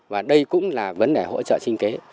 và đây cũng là vấn đề hỗ trợ sinh kế